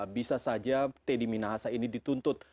bisa saja teddy minahasa ini dituntut